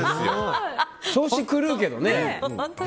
調子狂うけどね。